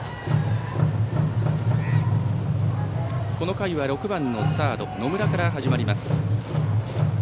この回は６番サード、野村から始まります。